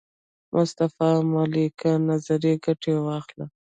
مصطفی ملکیان نظریې ګټه واخلم.